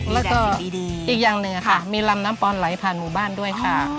แล้วก็อีกอย่างหนึ่งค่ะมีลำน้ำปอนไหลผ่านหมู่บ้านด้วยค่ะ